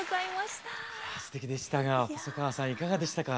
すてきでしたが細川さんいかがでしたか？